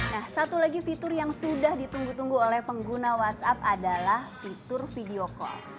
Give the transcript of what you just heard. nah satu lagi fitur yang sudah ditunggu tunggu oleh pengguna whatsapp adalah fitur video call